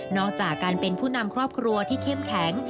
จากการเป็นผู้นำครอบครัวที่เข้มแข็ง